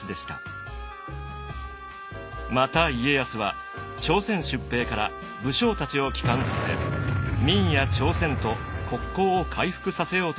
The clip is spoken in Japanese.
また家康は朝鮮出兵から武将たちを帰還させ明や朝鮮と国交を回復させようとします。